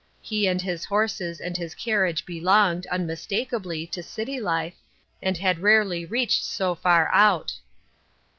He and hia horses and his carriage belonged, unmistakably, to city life, and had rarely reached so far out.